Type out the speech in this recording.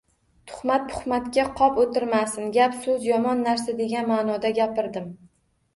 Tuhmat-puhmatga qop o`tirmasin, gap-so`z yomon narsa degan ma`noda gapirdim